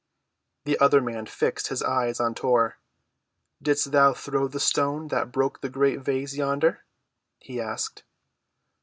The other man fixed his eyes on Tor. "Didst thou throw the stone that broke the great vase yonder?" he asked.